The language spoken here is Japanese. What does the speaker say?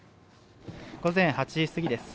午前８時過ぎです。